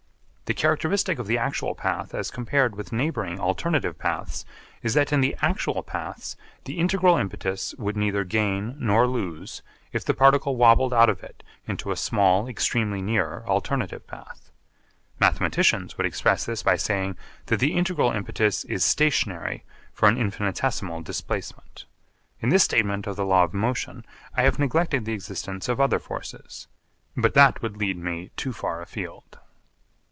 The characteristic of the actual path as compared with neighbouring alternative paths is that in the actual paths the integral impetus would neither gain nor lose, if the particle wobbled out of it into a small extremely near alternative path. Mathematicians would express this by saying, that the integral impetus is stationary for an infinitesimal displacement. In this statement of the law of motion I have neglected the existence of other forces. But that would lead me too far afield.